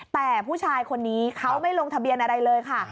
แต่ผู้ชายคนนี้เขาไม่ลงทะเบียนอะไรเลยค่ะ